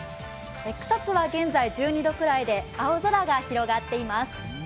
草津は現在１２度ぐらいで青空が広がっています。